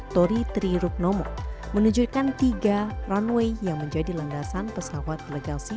tori tri ruknomo menunjukkan tiga runway yang menjadi lendasan pesawat delegasi